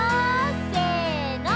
せの！